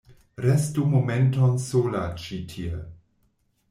Restu momenton sola ĉi tie.